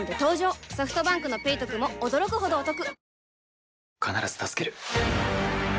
ソフトバンクの「ペイトク」も驚くほどおトク